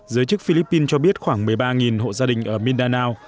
giới chức philippines cho biết khoảng một mươi ba hộ gia đình ở mindanao